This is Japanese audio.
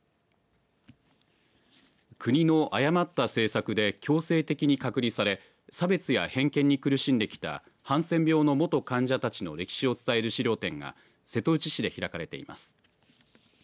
国の誤った政策で強制的に隔離され差別や偏見に苦しんできたハンセン病の元患者たちの歴史を伝える資料展が瀬戸内市で開かれています。